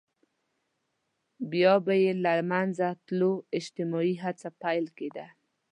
بيا به يې د له منځه تلو اجتماعي هڅې پيل کېدې.